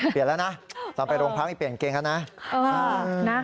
เปลี่ยนแล้วนะต่อไปรวงพักในต่อไปเปลี่ยนกางเกงแล้วนะ